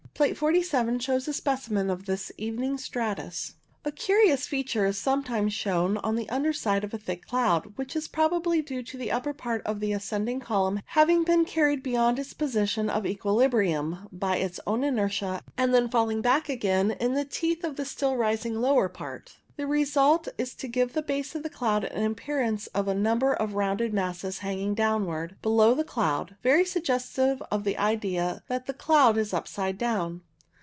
Plate 47 shows a specimen of this evening stratus. I □ O MAMMATO CUMULUS 99 A curious feature is sometimes shown on the underside of a thick cloud, which is probably due to the upper part of the ascending column having been carried beyond its position of equilibrium by its own inertia, and then falling back again in the teeth of the still rising lower part. The result is to give the base of the cloud an appearance of a number of rounded masses hanging downwards below the cloud, very suggestive of the idea that the cloud is upside down.